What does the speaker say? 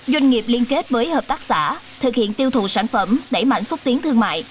doanh nghiệp liên kết với hợp tác xã thực hiện tiêu thụ sản phẩm đẩy mạnh xúc tiến thương mại